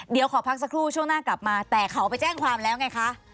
เดี๋ยวขอพักสักครู่ช่วงหน้ากลับมาแต่เขาไปแจ้งความแล้วไงคะ